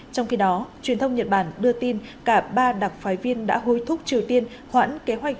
trong khi đó truyền thông nhật bản đưa tin cả ba đặc phái viên đã hối thúc triều tiên hoãn kế hoạch